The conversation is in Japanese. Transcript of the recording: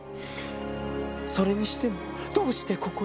「それにしてもどうしてここへ？